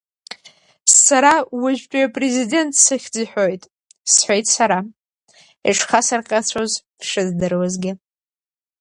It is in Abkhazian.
Сара, уажәтәи апрезидент сыхьӡ иҳәоит, — сҳәеит сара, ишхасырҟьацәоз шыздыруазгьы.